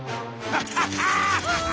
ハハハハハ！